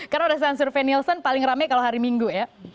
karena udah sensor faye nielsen paling rame kalau hari minggu ya